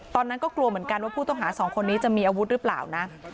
ตอนนั้นก็กลัวเหมือนกันว่าผู้ต้องหาสองคนนี้จะมีอาวุธหรือเปล่านะ